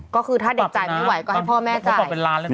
ก็คือถ้าเด็กจ่ายไม่ไหวก็ให้พ่อแม่จ่าย